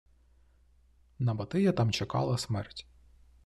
На Батия там чекала смерть